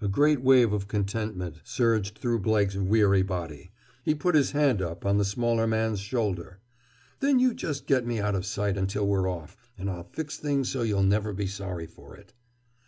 A great wave of contentment surged through Blake's weary body. He put his hand up on the smaller man's shoulder. "Then you just get me out o' sight until we're off, and I'll fix things so you'll never be sorry for it!"